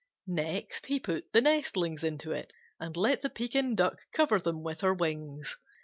Next he put the nestlings into it and let the Pekin Duck cover them with her wings.